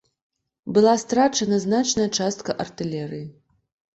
Была страчана значная частка артылерыі.